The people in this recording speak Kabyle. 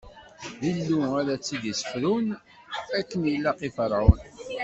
D Illu ara t-id-issefrun akken ilaq i Ferɛun.